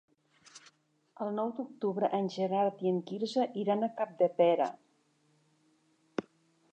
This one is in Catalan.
El nou d'octubre en Gerard i en Quirze iran a Capdepera.